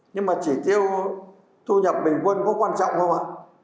nhưng mà chỉ tiêu thu nhập bình quân có quan trọng không ạ